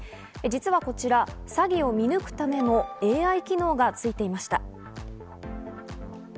実はこちら、詐欺を見抜くためのＡＩ機能がついていました。